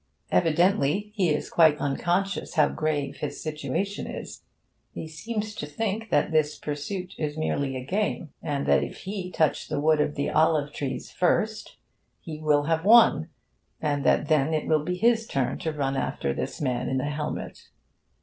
Evidently he is quite unconscious how grave his situation is. He seems to think that this pursuit is merely a game, and that if he touch the wood of the olive trees first, he will have won, and that then it will be his turn to run after this man in the helmet.